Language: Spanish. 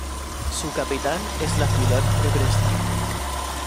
Su capital es la ciudad de Brescia.